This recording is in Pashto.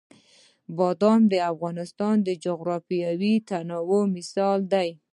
بادام د افغانستان د جغرافیوي تنوع مثال دی.